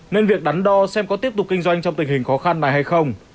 nên việc đắn đo xem có tiếp tục kinh doanh trong tình hình khó khăn này hay không